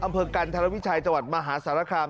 อำเภอกันทาราวิชัยจมหาสารคลาม